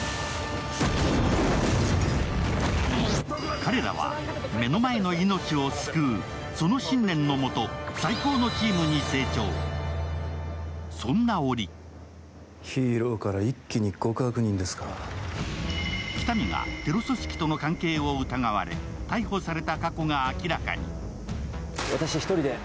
彼らは目の前の命を救う、その信念の下、最高のチームに成長そんな折喜多見がテロ組織との関係を疑われ、逮捕された過去が明らかに。